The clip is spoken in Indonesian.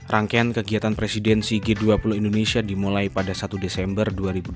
rangkaian kegiatan presidensi g dua puluh indonesia dimulai pada satu desember dua ribu dua puluh